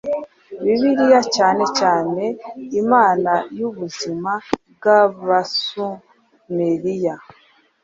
Bibiliyacyane cyane imana yubuzima bwAbasumeriya